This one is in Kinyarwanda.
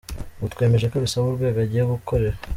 Ubu twemeje ko abisaba urwego agiye gukorera.